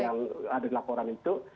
yang ada di laporan itu